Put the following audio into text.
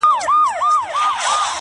له محفله یې بهر کړم د پیمان استازی راغی؛